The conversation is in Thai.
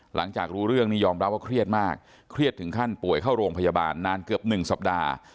หลังจากรู้เรื่องนี้ยอมรับว่าเครียดมากเครียดถึงขั้นป่วยเข้าโรงพยาบาลนานเกือบ๑สัปดาห์